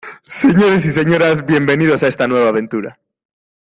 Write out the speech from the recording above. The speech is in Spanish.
Señores y señoras, bienvenidos a está nueva aventura.